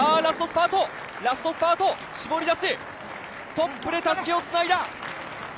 ラストスパート、絞り出すトップでたすきをつないだ！